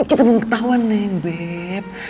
kita belum ketahuan beb